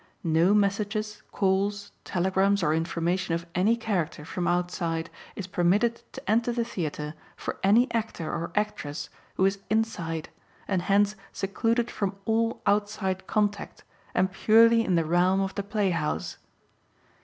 No messages, calls, telegrams or information of any character from outside is permitted to enter the theatre for any actor or actress who is inside and hence secluded from all outside contact and purely in the realm of the playhouse.